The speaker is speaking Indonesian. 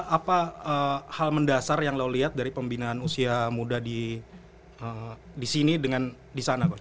apa hal mendasar yang lo liat dari pembinaan usia muda disini dengan disana coach